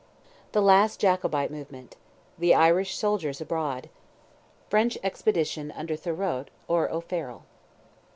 THE LAST JACOBITE MOVEMENT—THE IRISH SOLDIERS ABROAD—FRENCH EXPEDITION UNDER THUROT, OR O'FARRELL.